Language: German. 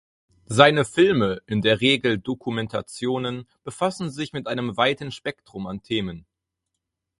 Seine Filme, in der Regel Dokumentationen, befassen sich mit einem weiten Spektrum an Themen.